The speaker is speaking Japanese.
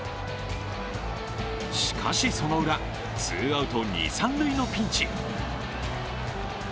しかしそのウラ、ツーアウト二・三塁のピンチ。